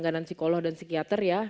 psikolog dan psikiater ya